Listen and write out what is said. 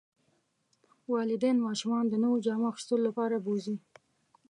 والدین ماشومان د نویو جامو اخیستلو لپاره بوځي.